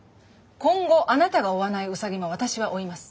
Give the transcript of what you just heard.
今後あなたが追わないウサギも私は追います。